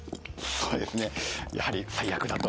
そうですねやはり最悪だと。